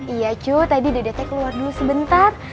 iya cu tadi dedetnya keluar dulu sebentar